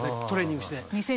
トレーニングして。